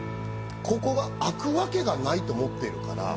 ここが開くわけがないと思っているから。